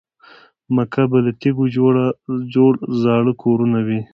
مکه کې به له تیږو جوړ زاړه کورونه وي.